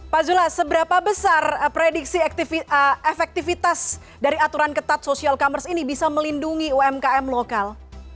pak zula seberapa besar prediksi efektivitas dari aturan ketat social commerce ini bisa melindungi umkm lokal